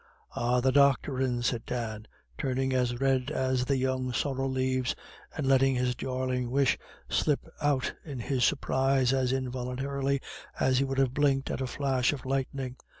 "Ah! the doctorin'," said Dan, turning as red as the young sorrel leaves, and letting his darling wish slip out in his surprise as involuntarily as he would have blinked at a flash of lightning.